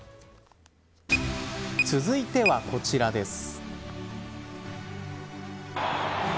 続いてはこちらです。